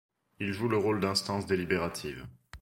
Il joue le rôle d'instance délibérative.